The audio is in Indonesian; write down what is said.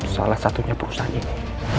salah satunya perusahaan ini